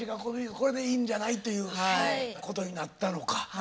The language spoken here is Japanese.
これでいいんじゃないっていうことになったのか。